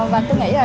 và tôi nghĩ là